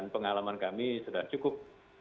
pengalaman kami sudah cukup